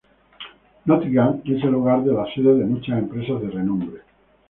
Nottingham es el hogar de la sede de muchas empresas de renombre.